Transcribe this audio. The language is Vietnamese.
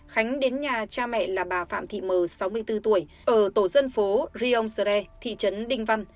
khánh đến nhà cha mẹ là bà phạm thị m sáu mươi bốn tuổi ở tổ dân phố riong sare thị trấn đinh văn